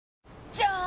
じゃーん！